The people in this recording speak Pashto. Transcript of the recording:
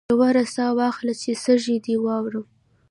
ژوره ساه واخله چې سږي دي واورم